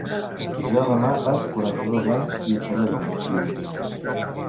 Jo demà faig quaranta-dos anys i ho celebro!, diu.